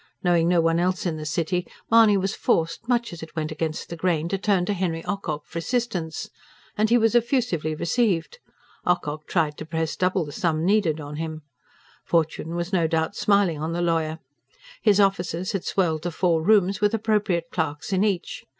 Knowing no one else in the city, Mahony was forced, much as it went against the grain, to turn to Henry Ocock for assistance. And he was effusively received Ocock tried to press double the sum needed on him. Fortune was no doubt smiling on the lawyer. His offices had swelled to four rooms, with appropriate clerks in each.